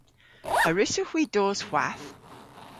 A wrussowgh hwi dos hwath?